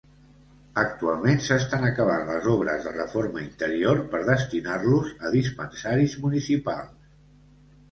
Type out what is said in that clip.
Actualment s'estan acabant les obres de reforma interior per destinar-los a dispensaris municipals.